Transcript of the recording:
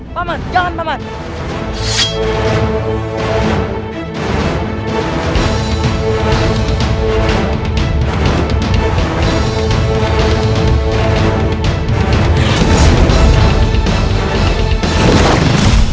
paman jangan paman